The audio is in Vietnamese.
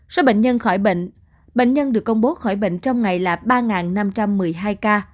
số bệnh nhân khỏi bệnh bệnh nhân được công bố khỏi bệnh trong ngày là ba năm trăm một mươi hai ca